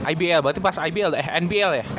ibl berarti pas ibl eh nbl ya